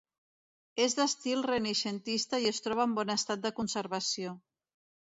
És d'estil renaixentista i es troba en bon estat de conservació.